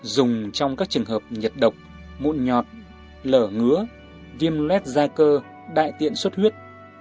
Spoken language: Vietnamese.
dùng trong các trường hợp nhiệt độc mụn nhọt lở ngứa viêm lét da cơ đại tiện suất huyết